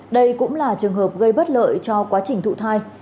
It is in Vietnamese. đây cũng là trường hợp gây bất lợi cho quá trình thụ thai